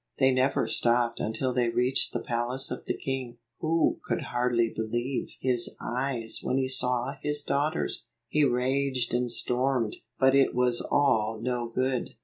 They never stopped until they reached the palace of the king, who could hardly believe his eyes when he saw his daughters. He raged and stormed, but it was all no good.